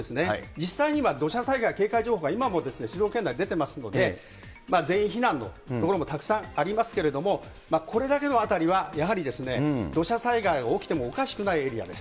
実際には土砂災害警戒情報が今も静岡県内出ていますので、全員避難の所もたくさんありますけれども、これだけの辺りは、やはり土砂災害が起きてもおかしくないエリアです。